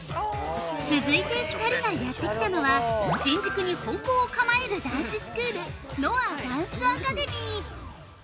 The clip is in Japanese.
◆続いて２人がやってきたのは新宿に本校を構えるダンススクール「ＮＯＡダンスアカデミー」。